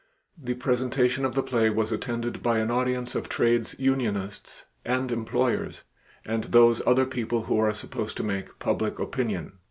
The presentation of the play was attended by an audience of trades unionists and employers and those other people who are supposed to make public opinion.